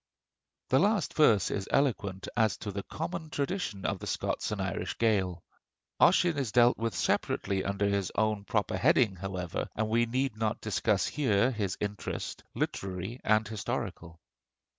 The last verse is eloquent as to the common traditions of the Scots and Irish Gael. Ossian is dealt with separately under his own proper heading, however, and we need not discuss here his interest, literary and historical.